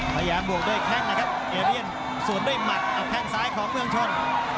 พยายามบวกด้วยแข้งนะครับเอเรียนสวนด้วยหมัดกับแข้งซ้ายของเมืองชน